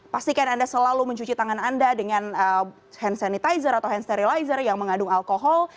pastikan anda selalu mencuci tangan anda dengan hand sanitizer atau hand sterilizer yang mengandung alkohol